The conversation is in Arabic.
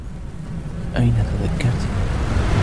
أين تذكرتي؟